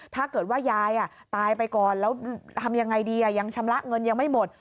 ถ้าเกิดว่ายายตายไปก่อนแล้วทำยังไงดียังชำระเงินยังไม่หมด